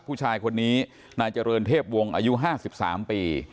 ผู้ชายคนนี้นายเจริญเทพวงศ์อายุ๕๓ปี